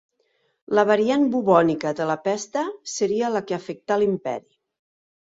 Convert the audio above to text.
La variant bubònica de la pesta seria la que afectà l'imperi.